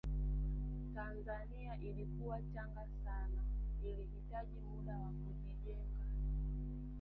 tanzania ilikuwa changa sana ilihitaji muda kujijenga